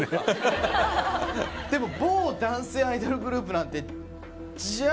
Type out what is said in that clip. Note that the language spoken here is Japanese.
でも某男性アイドルグループなんて。